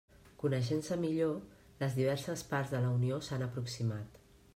Coneixent-se millor, les diverses parts de la Unió s'han aproximat.